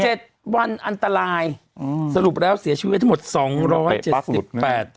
เจ็ดวันอันตรายอืมสรุปแล้วเสียชีวิตทั้งหมดสองร้อยเจ็ดสิบแปด